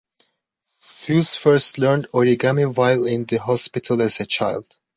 Fuse first learned origami while in the hospital as a child.